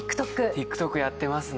ＴｉｋＴｏｋやってますね。